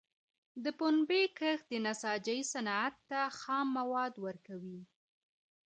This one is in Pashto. د پنبي کښت د نساجۍ صنعت ته خام مواد ورکوي.